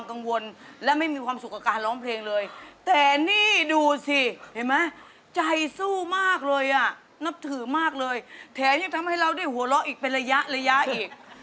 เพลงนี้นะมันเป็นเพลงที่ยากเพลงหนึ่งนะลูก